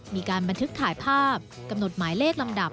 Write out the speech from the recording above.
มีการบันทึกถ่ายภาพกำหนดหมายเลขลำดับ